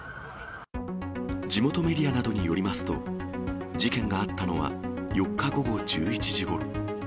地元メディアなどによりますと、事件があったのは４日午後１１時ごろ。